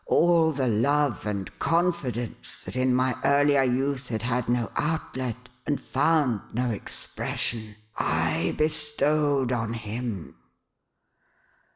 All the love and confidence that in my earlier youth had^ had no outlet, and found no expression, I bestowed on him."